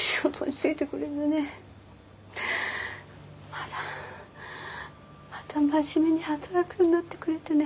またまた真面目に働くようになってくれてね。